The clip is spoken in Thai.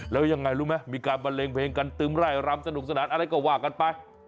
แล้วยังไงรู้ไหมมีการบันเลงเพลงกันตึงไร่รำสนุกสนานอะไรก็ว่ากันไป